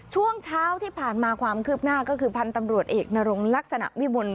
ช่วงเช้าที่ผ่านมาความคืบหน้าก็คือพันธุ์ตำรวจเอกนรงลักษณะวิมล